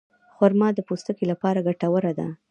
خرما د پوستکي لپاره ګټوره ده.